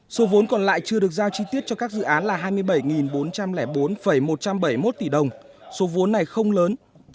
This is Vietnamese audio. số vốn còn lại chưa được giao chi tiết cho các dự án là hai mươi bảy bốn trăm linh bốn một trăm bảy mươi một tỷ đồng số vốn này không lớn chiếm năm tám kế hoạch